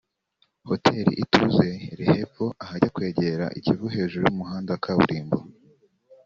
Hotel Ituze iri hepfo ahajya kwegera Ikivu hejuru y’umuhanda wa kaburimbo